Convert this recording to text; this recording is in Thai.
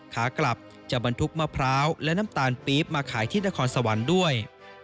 ขากลับจะบรรทุกมะพร้าวและน้ำตาลปี๊บมาขายที่นครสวรรค์ด้วย